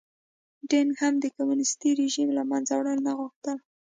دینګ هم د کمونېستي رژیم له منځه وړل نه غوښتل.